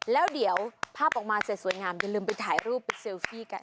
แล้วเดี๋ยวภาพออกมาเสร็จสวยงามอย่าลืมไปถ่ายรูปไปเซลฟี่กัน